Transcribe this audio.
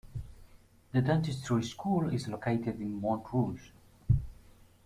The dentistry school is located in Montrouge.